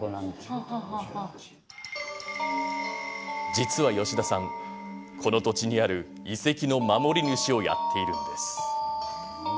実は吉田さん、この土地にある遺跡の守り主をやっているんです。